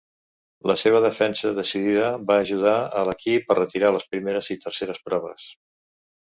La seva defensa decidida va ajudar a l'equip a retirar les primeres i terceres proves.